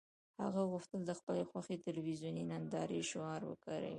هغه غوښتل د خپلې خوښې تلویزیوني نندارې شعار وکاروي